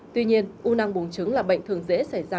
tuy nhiên u năng buồng trứng là bệnh thường dễ xảy ra